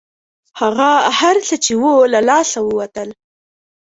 هغه هر څه چې وو له لاسه ووتل.